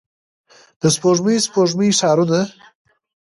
د سپوږمۍ، سپوږمۍ ښارونو